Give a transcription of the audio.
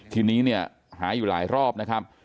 ทีนี้เนี่ยหาอยู่หลายรอบนะครับ